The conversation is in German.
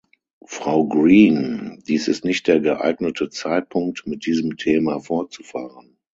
Frau Green, dies ist nicht der geeignete Zeitpunkt, mit diesem Thema fortzufahren.